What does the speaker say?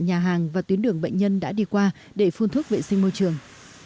nhà hàng và tuyến đường bệnh nhân đã đi qua để phun thuốc vệ sinh môi trường